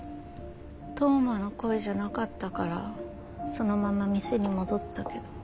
当麻の声じゃなかったからそのまま店に戻ったけど。